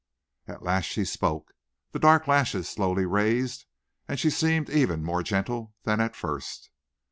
At last she spoke. The dark lashes slowly raised, and she seemed even more gentle than at first.